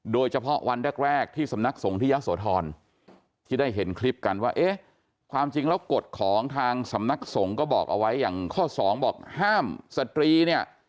โดยเฉพาะวันแรกที่สำนักสงฆ์ทฤศทรทรที่ได้เห็นคลิปกันว่าเอ๊ะความจริงแล้วกฎของทางสำนักสงฆ์ก็บอกเอาไว้อย่างข้อ๒บอกห้ามสตรีเนี่ยเข้าใกล้หลวงปู่เลยเอ๊ะทำไมถึงอนุญาตเรียกคนน้นคนนี้ขึ้นไปหาหลวงปู่ท่าน